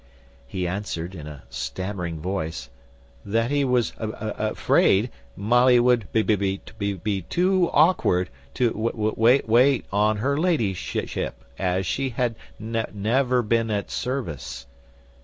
He answered, in a stammering voice, "That he was afraid Molly would be too awkward to wait on her ladyship, as she had never been at service."